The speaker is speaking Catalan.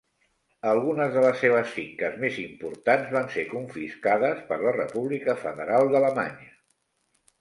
Algunes de les seves finques més importants van ser confiscades per la República Federal d'Alemanya.